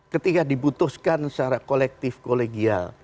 ketika dibutuhkan secara kolektif kolegial